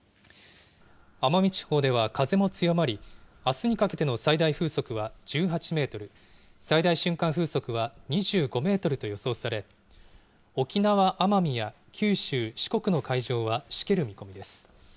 奄美地方では風も強まり、あすにかけての最大風速は１８メートル、最大瞬間風速は２５メートルと予想され、沖縄・奄美や九州、四国の海上はしける見込みです。